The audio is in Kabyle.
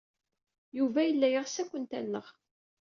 Yuba yella yeɣs ad kent-alleɣ.